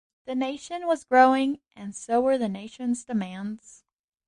The nation was growing, and so were the nation's demands.